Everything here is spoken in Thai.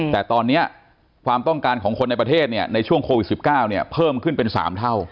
แต่ตอนนี้ความต้องการของคนในประเทศเนี่ยในช่วงโควิด๑๙เพิ่มขึ้นเป็น๓เท่า